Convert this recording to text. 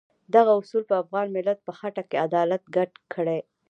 دغه اصول په افغان ملت په خټه کې عدالت ګډ کړی.